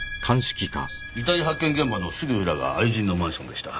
遺体発見現場のすぐ裏が愛人のマンションでした。